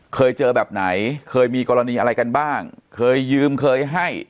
เคยเจอแบบไหนเคยมีกรณีอะไรกันบ้างเคยยืมเคยให้